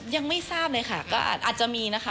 ยังไม่ทราบเลยค่ะก็อาจจะมีนะคะ